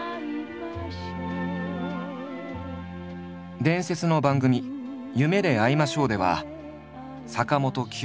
伝説の番組「夢であいましょう」では坂本九